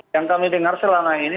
yang kami dengar selama ini